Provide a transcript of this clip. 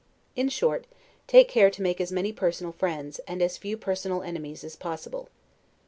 In short, take care to make as many personal friends, and as few personal enemies, as possible.